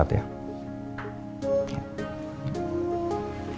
itu ditaruh situ sayang